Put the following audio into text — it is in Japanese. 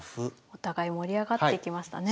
お互い盛り上がってきましたね。